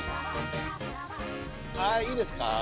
はいいいですか？